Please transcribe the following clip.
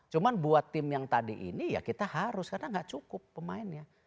cuma buat tim yang tadi ini ya kita harus karena nggak cukup pemainnya